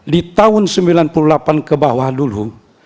di tahun seribu sembilan ratus sembilan puluh delapan ke bawah dulu